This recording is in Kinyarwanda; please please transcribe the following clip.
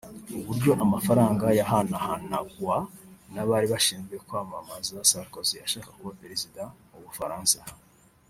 uburyo amafaranga yahanahanagwa n’abari bashinzwe kwamamaza Sarkozy ashaka kuba Perezida mu Bufaransa